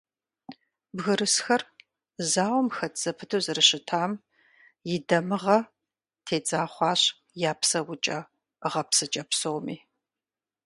Бгырысхэр зауэм хэт зэпыту зэрыщытам и дамыгъэ тедза хъуащ я псэукӀэ-гъэпсыкӀэ псоми.